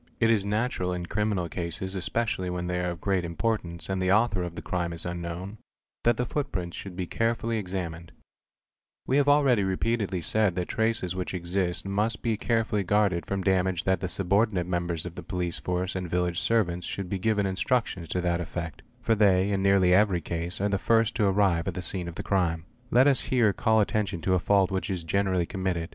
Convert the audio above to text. It is natural in criminal cases, especially when they are of great importance and the author of the crime is unknown, that the footprints should be carefully examined ®#—*®, We have already repeatedly said — that traces which exist must be carefully guarded from damage and that | the subordinate members of the police force and village servants should — be given instructions to that effect for they, in nearly every case, are first to arrive at the scene of the crime. Let us here call attention to a fault i which is generally committed.